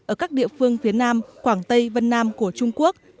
ở các địa phương phía nam quảng tây vân nam của trung quốc